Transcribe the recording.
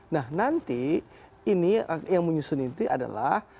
nah nanti ini yang menyusun itu adalah